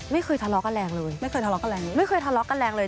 ไม่เคยทะเลาะกันแรงเลย